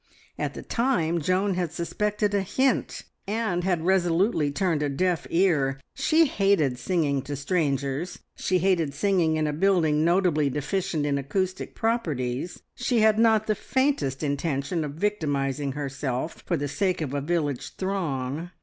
At the time Joan had suspected a hint, and had resolutely turned a deaf ear. She hated singing to strangers, she hated singing in a building notably deficient in acoustic properties, she had not the faintest intention of victimising herself for the sake of a village throng.